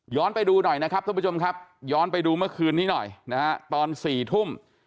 ไปดูหน่อยนะครับท่านผู้ชมครับย้อนไปดูเมื่อคืนนี้หน่อยนะฮะตอน๔ทุ่ม